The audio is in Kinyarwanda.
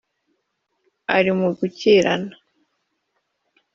ari mu gukirana